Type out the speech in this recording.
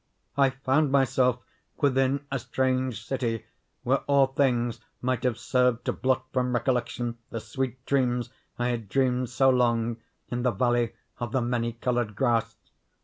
I found myself within a strange city, where all things might have served to blot from recollection the sweet dreams I had dreamed so long in the Valley of the Many Colored Grass.